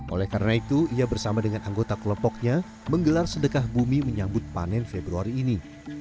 oleh karena itu ia bersama dengan anggota kelompoknya menggelar sedekah bumi menyambut panen februari ini